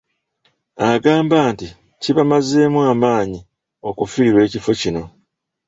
Agamba nti kibamazeemu amaanyi okufiirwa ekifo kino.